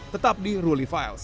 tetap di ruli files